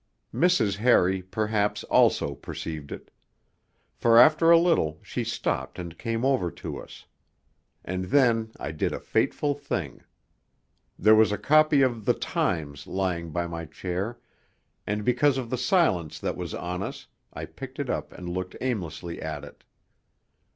Mrs. Harry, perhaps, also perceived it. For after a little she stopped and came over to us. And then I did a fateful thing. There was a copy of The Times lying by my chair, and because of the silence that was on us, I picked it up and looked aimlessly at it.